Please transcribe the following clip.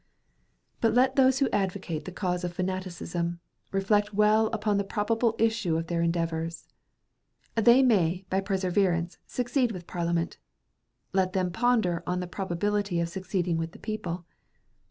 But let those who advocate the cause of fanaticism, reflect well upon the probable issue of their endeavours. They may by perseverance, succeed with Parliament. Let them ponder on the probability of succeeding with the people.